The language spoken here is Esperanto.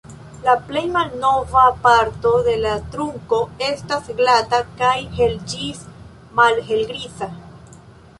La plej malnova parto de la trunko estas glata kaj hel- ĝis malhelgriza.